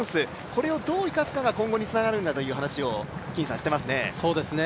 これをどう生かすかが今後につながるんだという話をしていますね。